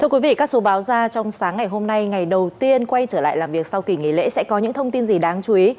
thưa quý vị các số báo ra trong sáng ngày hôm nay ngày đầu tiên quay trở lại làm việc sau kỳ nghỉ lễ sẽ có những thông tin gì đáng chú ý